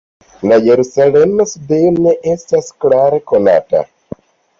La jerusalema sidejo ne estas klare konata.